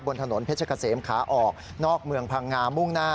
บนถนนเพชรเกษมขาออกนอกเมืองพังงามุ่งหน้า